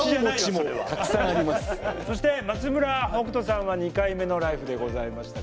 そして松村北斗さんは２回目の「ＬＩＦＥ！」でございましたが。